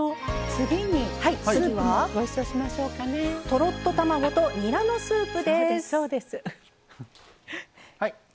次はとろっと卵とにらのスープです。